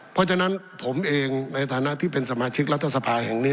เพราะฉะนั้นผมเองในฐานะที่เป็นสมาชิกรัฐสภาแห่งนี้